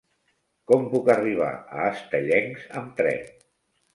Com puc arribar a Estellencs amb tren?